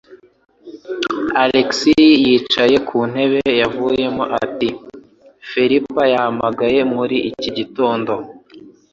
Alex yicaye ku ntebe yavuyemo ati: "Felipa yahamagaye muri iki gitondo."